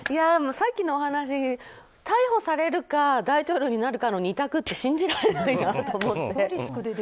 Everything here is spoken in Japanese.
さっきのお話で逮捕されるか大統領になるかの２択って信じられないなと思って。